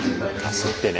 「吸って」ね。